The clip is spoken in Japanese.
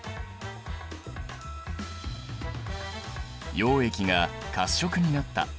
溶液が褐色になった。